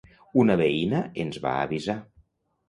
Una veïna ens va avisar.